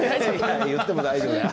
言っても大丈夫だよ。